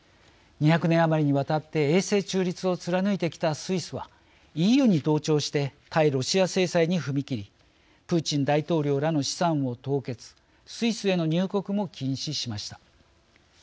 ２００年余りにわたって永世中立を貫いてきたスイスはＥＵに同調して対ロシア制裁に踏み切りプーチン大統領らの資産を凍結スイスへの入国も禁止しました。